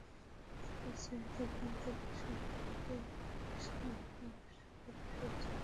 পাড়ার চায়ের দোকান থেকে শুরু করে অফিস কিংবা ব্যবসাকেন্দ্র—সব জায়গায় একই আলোচনা।